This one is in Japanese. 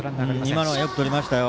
今のはよくとりましたよ。